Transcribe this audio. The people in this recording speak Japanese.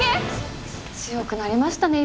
強くなりましたね